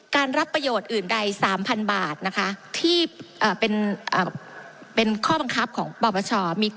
รับประโยชน์อื่นใด๓๐๐๐บาทนะคะที่เป็นข้อบังคับของปปช